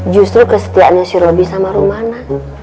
justru kesetiaannya si robby sama rumana